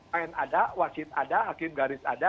kn ada wasit ada hakim garis ada